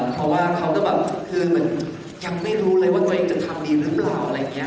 เพราะว่าเขาก็แบบคือเหมือนยังไม่รู้เลยว่าตัวเองจะทำดีหรือเปล่าอะไรอย่างนี้